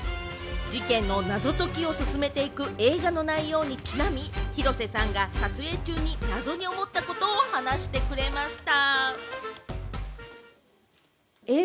事件の謎解きを進めていく映画の内容にちなみ、広瀬さんが撮影中に謎に思ったことを話してくれました。